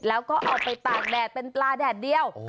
แล้วก็เอาไปตากแดดเป็นปลาแดดเดียว